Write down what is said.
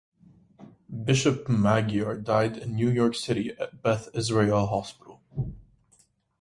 Bishop Magyar died in New York City at Beth Israel Hospital.